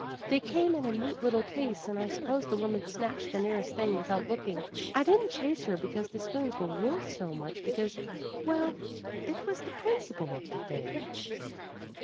They came in a neat little case, and I suppose the woman snatched the nearest thing without looking. I didn't chase her because the spoons were worth so much because well, it was the principle of the thing."